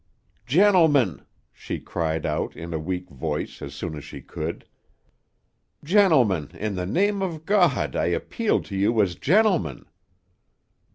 "Gentlemen!" she cried out, in a weak voice, as soon as she could. "Gentlemen! In the name of God! I appeal to you as gentlemen!"